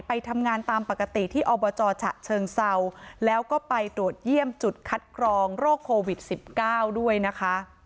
ไปทำงานตามปกติที่อบจฉะเชิงเศร้าแล้วก็ไปตรวจเยี่ยมจุดคัดกรองโรคโควิด๑๙ด้วยนะคะ